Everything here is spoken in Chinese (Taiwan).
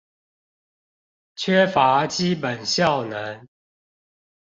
缺乏基本效能